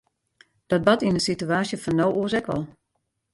Dat bart yn de situaasje fan no oars ek al.